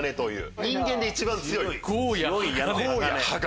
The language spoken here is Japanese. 人間で一番強い強矢鋼。